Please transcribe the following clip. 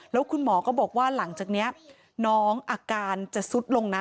แล้วคุณหมอก็บอกว่าหลังจากนี้น้องอาการจะสุดลงนะ